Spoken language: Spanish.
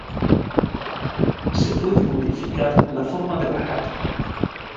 Se puede modificar la forma de la capa.